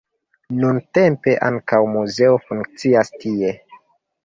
Nuntempe ankaŭ muzeo funkcias tie.